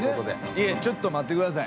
いえちょっと待って下さい。